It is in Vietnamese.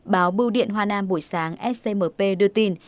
báo bưu điện hoan nam buổi sáng scmp đưa tin